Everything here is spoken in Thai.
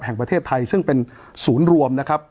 แห่งประเทศไทยซึ่งเป็นศูนย์รวมนะครับ